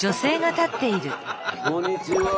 こんにちは。